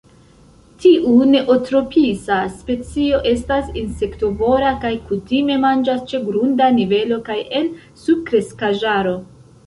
Tiu neotropisa specio estas insektovora kaj kutime manĝas ĉe grunda nivelo kaj en subkreskaĵaro.